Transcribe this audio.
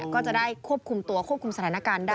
ก็จะได้ควบคุมตัวควบคุมสถานการณ์ได้